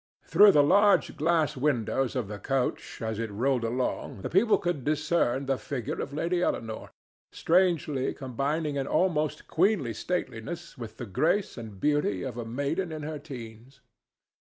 Through the large glass windows of the coach, as it rolled along, the people could discern the figure of Lady Eleanore, strangely combining an almost queenly stateliness with the grace and beauty of a maiden in her teens.